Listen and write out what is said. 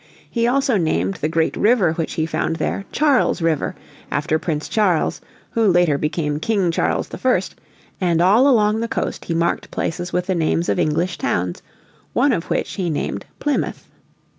He also named the great river which he found there Charles River after Prince Charles, who later became King Charles I, and all along the coast he marked places with the names of English towns, one of which he named Plymouth.